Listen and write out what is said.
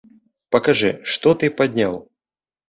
Пакажы, што ты падняў!